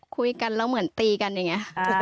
คุยกันแล้วเหมือนตีกันอย่างนี้